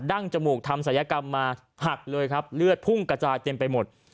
ั้งจมูกทำศัลยกรรมมาหักเลยครับเลือดพุ่งกระจายเต็มไปหมด